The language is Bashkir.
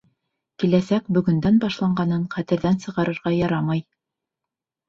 Киләсәк бөгөндән башланғанын хәтерҙән сығарырға ярамай.